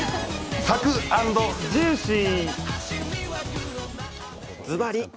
サク＆ジューシー。